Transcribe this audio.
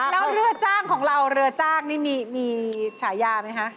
แล้วเรือจ้างของเราเรือจ้างนี่มีฉายาไหมคะ